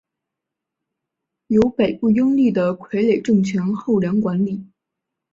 由北周拥立的傀儡政权后梁管理。